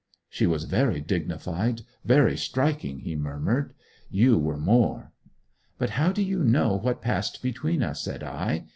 'She was very dignified very striking,' he murmured. 'You were more.' 'But how do you know what passed between us,' said I.